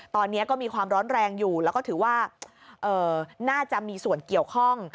ตอนนี้ก็มีความร้อนแรงอยู่แล้วก็ถือว่าน่าจะมีส่วนเกี่ยวข้อง